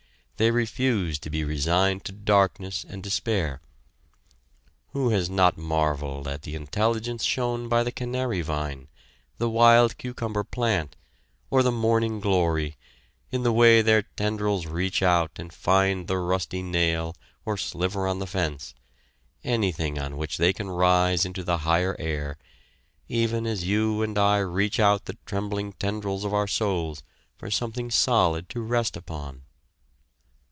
They refuse to be resigned to darkness and despair! Who has not marveled at the intelligence shown by the canary vine, the wild cucumber plant, or the morning glory, in the way their tendrils reach out and find the rusty nail or sliver on the fence anything on which they can rise into the higher air; even as you and I reach out the trembling tendrils of our souls for something solid to rest upon?